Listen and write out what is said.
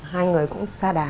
hai người cũng xa đá